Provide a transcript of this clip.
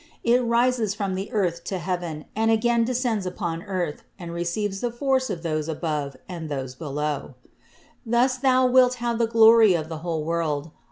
It rises from the earth to heaven and again descends upon earth, and receives the force of those above and those below. "Thus thou wilt have the glory of the whole world.